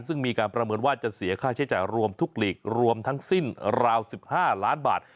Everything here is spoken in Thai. ซึ่งมีการประเมินว่าจะเสียค่าใช้จ่ายรวมทุกหลีกรวมทั้งสิ้นราว๑๕ล้านบาท